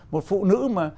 một phụ nữ mà